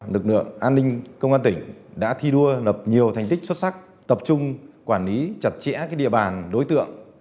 lực lượng an ninh công an tỉnh đã thi đua lập nhiều thành tích xuất sắc tập trung quản lý chặt chẽ địa bàn đối tượng